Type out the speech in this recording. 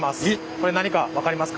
これ何か分かりますか？